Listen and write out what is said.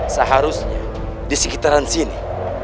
seharusnya disekitaran sini